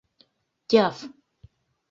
— Тяф!